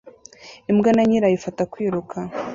Imbwa na nyirayo ifata kwiruka